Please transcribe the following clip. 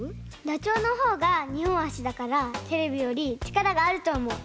ダチョウのほうがにほんあしだからテレビよりちからがあるとおもう。